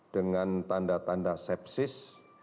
dengan tanda tanda sepsis